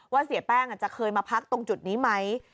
เสียแป้งจะเคยมาพักตรงจุดนี้ไหม